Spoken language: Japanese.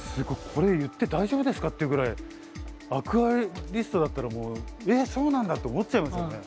これ言って大丈夫ですかっていうぐらいアクアリストだったらもう「えっそうなんだ」って思っちゃいますよね。